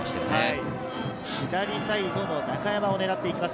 左サイドの中山を狙っていきます。